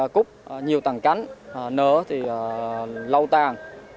rút nhiều tàng cánh nở thì lâu tàng